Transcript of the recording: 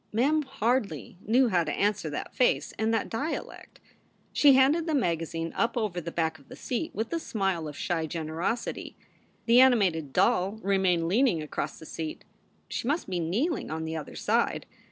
Mem hardly knew how to answer that face and that dia lect. She handed the magazine up over the back of the seat with a smile of shy generosity. The animated doll remained leaning across the seat. She must be kneeling on the other side.